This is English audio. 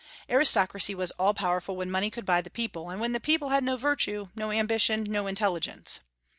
Aristocracy was all powerful when money could buy the people, and when the people had no virtue, no ambition, no intelligence.